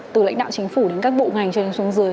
từ lãnh đạo chính phủ đến các bộ ngành cho đến xuống dưới